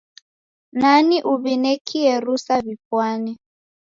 Nani uw'inekie rusa w'ipwane?